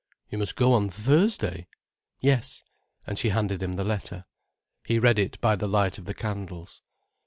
"You must go on Thursday?" "Yes." And she handed him the letter. He read it by the light of the candles.